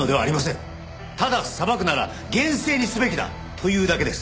ただ裁くなら厳正にすべきだというだけです。